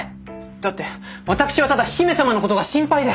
だって私はただ姫様のことが心配で。